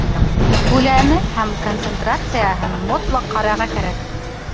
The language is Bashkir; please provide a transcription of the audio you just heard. Күләме һәм концентрацияһын мотлаҡ ҡарарға кәрәк.